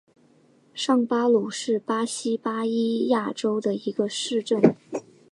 上巴鲁是巴西巴伊亚州的一个市镇。